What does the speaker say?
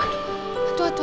aduh aduh aduh